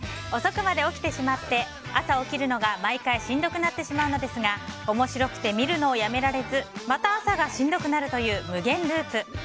遅くまで起きてしまって朝起きるのが毎回、しんどくなってしまうのですが面白くて見るのをやめられずまた朝がしんどくなるという無限ループ。